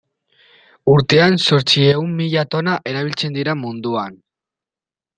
Urtean zortziehun mila tona erabiltzen dira munduan.